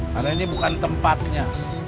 karena ini bukan tempatnya